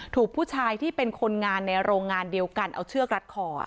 ถูกผู้ชายที่เป็นคนงานในโรงงานเดียวกันเอาเชือกรัดคอ